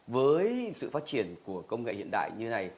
với sự phát triển của công nghệ hiện đại như này